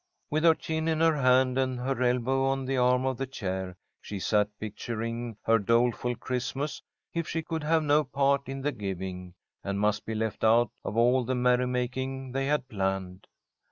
With her chin in her hand and her elbow on the arm of the chair, she sat picturing her doleful Christmas if she could have no part in the giving, and must be left out of all the merrymaking they had planned.